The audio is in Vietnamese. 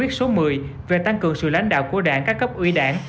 đề nghị quyết số một mươi về tăng cường sự lãnh đạo của đảng các cấp ủy đảng